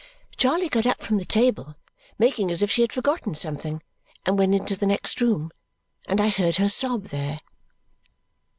Charley got up from the table, making as if she had forgotten something, and went into the next room; and I heard her sob there.